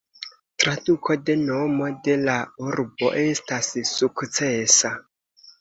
Traduko de nomo de la urbo estas "sukcesa".